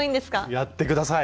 やって下さい。